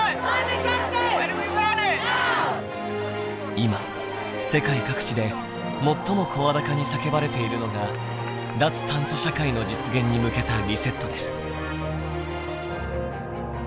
今世界各地で最も声高に叫ばれているのが「脱炭素社会の実現に向けたリセット」です。